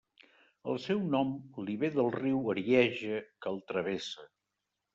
El seu nom li ve del riu Arieja que el travessa.